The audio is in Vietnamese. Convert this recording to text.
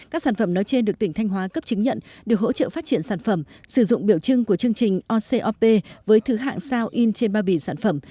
các sản phẩm nói trên được tỉnh thanh hóa cấp chứng nhận được hỗ trợ phát triển sản phẩm sử dụng biểu trưng của chương trình ocop với thứ hạng sao in trên bao bì sản phẩm